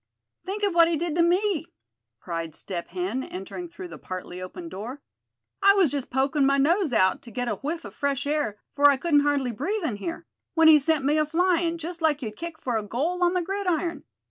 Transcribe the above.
"Think what he did to me?" cried Step Hen entering through the partly open door; "I was just pokin' my nose out, to get a whiff of fresh air, for I couldn't hardly breathe in here; when he sent me a flyin', just like you'd kick for goal on the gridiron.